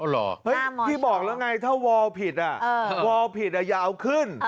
อ๋อเหรอหน้ามอชอพี่บอกแล้วไงถ้าวอผิดอะวอผิดอะอย่าเอาขึ้น